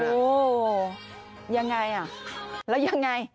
ยังไงแล้วยังไง